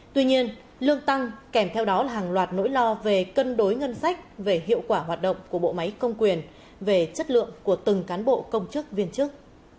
tuy nhiên lương tăng kèm theo đó là hàng loạt nỗi lo về cân đối ngân sách về hiệu quả hoạt động của bộ máy công quyền về chất lượng của từng cán bộ công chức viên chức